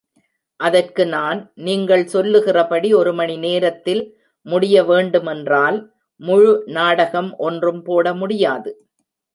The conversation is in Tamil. அதற்கு நான், நீங்கள் சொல்லுகிறபடி ஒருமணி நேரத்தில் முடிய வேண்டுமென்றால், முழு நாடகம் ஒன்றும் போட முடியாது.